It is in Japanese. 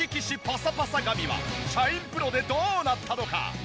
パサパサ髪はシャインプロでどうなったのか？